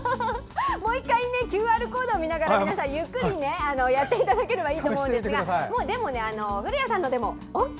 もう１回ＱＲコードを見ながら皆さん、ゆっくりやってもらえればいいと思うんですがでも古谷さんのでもＯＫ。